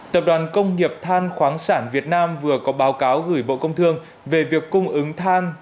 tập đoàn công nghiệp than khoáng sản việt nam vừa có báo cáo gửi bộ công thương về việc cung ứng than